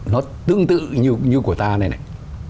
nó tương tự như của ta này này